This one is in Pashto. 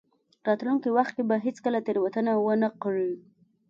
راتلونکي وخت کې به هېڅکله تېروتنه ونه کړئ.